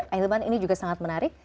ay hilman ini juga sangat menarik